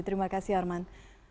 terima kasih arman